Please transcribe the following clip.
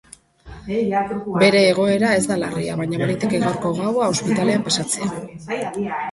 Bere egoera ez da larria, baina baliteke gaurko gaua ospitalean pasatzea.